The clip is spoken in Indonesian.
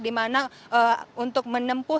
dimana untuk menempuh